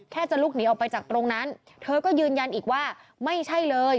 จะลุกหนีออกไปจากตรงนั้นเธอก็ยืนยันอีกว่าไม่ใช่เลย